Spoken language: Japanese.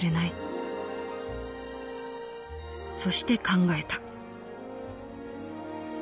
そして考えた」。